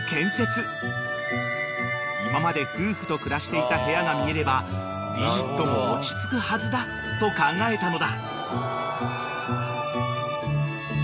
［今まで夫婦と暮らしていた部屋が見えればディジットも落ち着くはずだと考えたのだ］